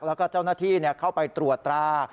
แล้วก็เจ้าหน้าที่เข้าไปตรวจตรา